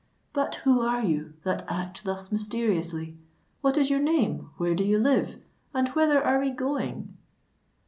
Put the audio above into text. "But who are you that act thus mysteriously? what is your name? where do you live? and whither are we going?"